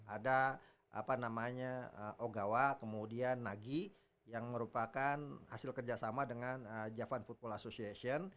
ada apa namanya ogawa kemudian nagi yang merupakan hasil kerjasama dengan javan football association